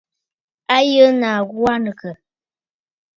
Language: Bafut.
A yə nàa ghu aa nɨ àkə̀?